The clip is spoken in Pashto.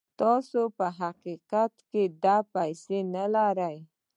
تاسې په حقيقت کې دا پيسې نه لرئ.